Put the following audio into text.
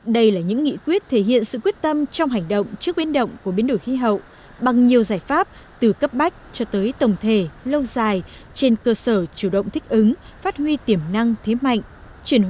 đây là những nghị quyết thể hiện sự quyết tâm trong hành động trước biến động của biến đổi khí hậu bằng nhiều giải pháp từ cấp bách cho tới tổng thể lâu dài trên cơ sở chủ động thích ứng phát huy tiềm năng thế mạnh